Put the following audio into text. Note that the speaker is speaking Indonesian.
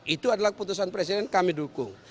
itu adalah keputusan presiden kami dukung